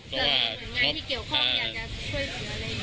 แล้วหน่วยงานที่เกี่ยวข้องอยากจะช่วยเหลืออะไร